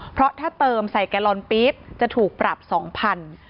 เพราะถ้าเติมใส่แกลลอนปี๊บจะถูกปรับ๒๐๐บาท